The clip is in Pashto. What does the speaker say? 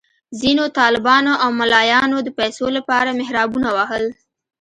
ځینو طالبانو او ملایانو د پیسو لپاره محرابونه وهل.